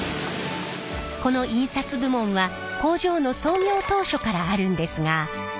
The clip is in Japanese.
この印刷部門は工場の創業当初からあるんですが。